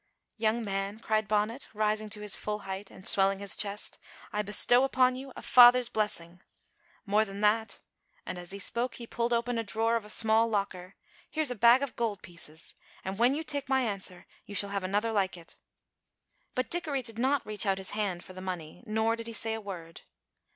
"Young man," cried Bonnet, rising to his full height and swelling his chest, "I bestow upon you a father's blessing. More than that" and as he spoke he pulled open a drawer of a small locker "here's a bag of gold pieces, and when you take my answer you shall have another like it." But Dickory did not reach out his hand for the money, nor did he say a word.